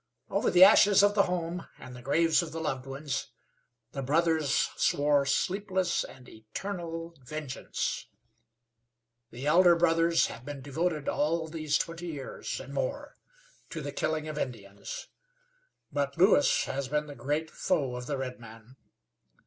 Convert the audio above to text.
Over the ashes of the home and the graves of the loved ones the brothers swore sleepless and eternal vengeance. The elder brothers have been devoted all these twenty years and more to the killing of Indians; but Lewis has been the great foe of the redman.